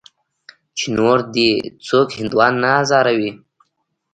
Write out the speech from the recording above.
چې نور دې څوک هندوان نه ازاروي.